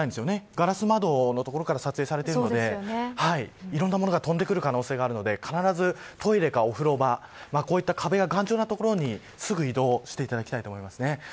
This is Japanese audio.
ガラス窓の所から撮影されているのでいろんなものが飛んでくる可能性があるので必ずトイレかお風呂場こういった壁や頑丈な所にすぐに移動していただきたいと思います。